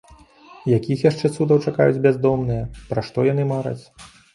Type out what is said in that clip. Якіх яшчэ цудаў чакаюць бяздомныя, пра што яны мараць?